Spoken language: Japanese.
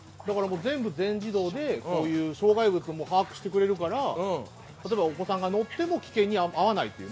全部全自動で障害物も把握してくれるから、例えばお子さんが乗っても危険に遭わない。